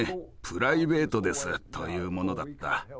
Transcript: プライベートです」というものだった。